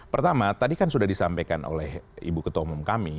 pertama tadi kan sudah disampaikan oleh ibu ketua umum kami